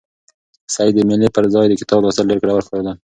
سعید ته د مېلې پر ځای د کتاب لوستل ډېر ګټور ښکارېدل.